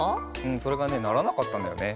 んそれがねならなかったんだよね。